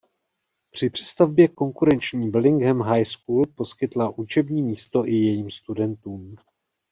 Při přestavbě konkurenční Bellingham High School poskytla učební místo i jejím studentům.